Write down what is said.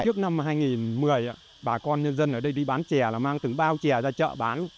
trước năm hai nghìn một mươi bà con nhân dân ở đây đi bán chè là mang từng bao trè ra chợ bán